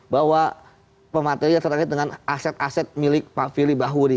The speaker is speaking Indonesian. bahwa pemateri yang terkait dengan aset aset milik pak firly bahuri